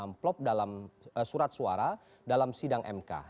amplop dalam surat suara dalam sidang mk